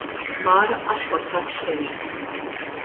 Mar għax ma sab xejn.